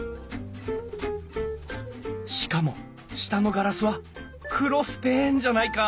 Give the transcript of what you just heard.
しかも下のガラスは「クロスペーン」じゃないか！